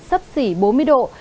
sắp xỉ bốn mươi độ